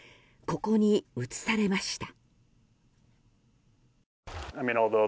ここに移されました。